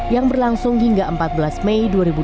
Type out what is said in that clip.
yang berlangsung hingga empat belas mei dua ribu dua puluh